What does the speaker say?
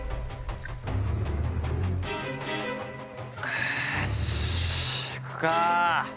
よし行くか。